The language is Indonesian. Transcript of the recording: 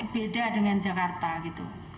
beda dengan jakarta gitu